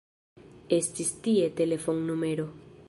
Estis tie telefonnumero.